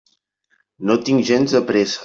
No tinc gens de pressa.